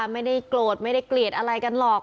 ไม่ได้โกรธไม่ได้เกลียดอะไรกันหรอก